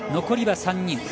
残りは３人。